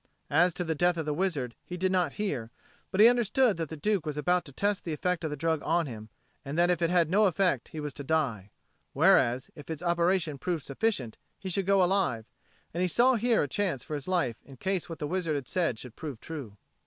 As to the death of the wizard he did not hear, but he understood that the Duke was about to test the effect of the drug on him, and that if it had no effect, he was to die; whereas, if its operation proved sufficient, he should go alive; and he saw here a chance for his life in case what the wizard had said should prove true.